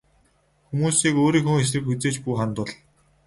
Хүмүүсийг өөрийнхөө эсрэг хэзээ ч бүү хандуул.